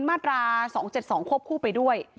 มาตรา๒๗๒ควบคู่ไปด้วย